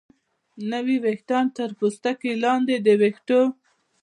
نوي ویښتان تر پوستکي لاندې د ویښتو